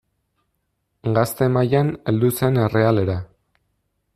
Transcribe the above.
Gazte mailan heldu zen Errealera.